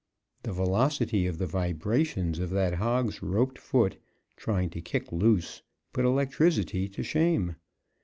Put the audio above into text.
The velocity of the vibrations of that hog's roped foot, trying to kick loose, put electricity to shame.